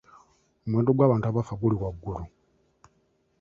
Omuwendo gw'abantu abafa guli waggulu.